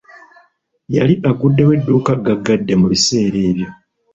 Yali aguddewo edduuka gaggade mu biseera ebyo.